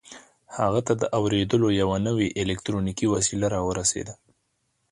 هغه ته د اورېدلو یوه نوې الکټرونیکي وسیله را ورسېده